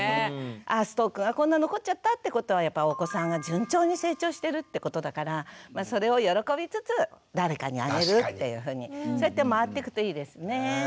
あぁストックがこんな残っちゃったってことはやっぱお子さんが順調に成長してるってことだからそれを喜びつつ誰かにあげるっていうふうにそうやって回ってくといいですね。